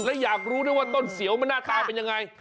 และอยากรู้ด้วยว่าต้นเสียวมันหน้าตาเป็นยังไง